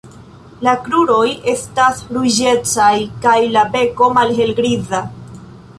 La kruroj estas ruĝecaj kaj la beko malhelgriza.